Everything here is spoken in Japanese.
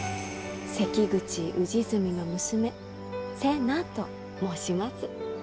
関口氏純の娘瀬名と申します。